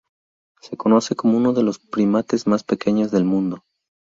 Se conoce como uno de los primates más pequeños del mundo.